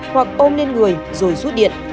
hoặc ôm lên người rồi rút điện